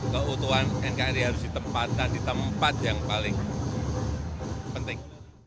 keutuhan nkri harus ditempatkan di tempat yang paling penting